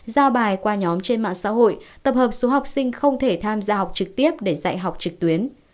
giao bài qua nhóm trên mạng xã hội tập hợp số học sinh không thể tham gia học trực tiếp để dạy học trực tuyến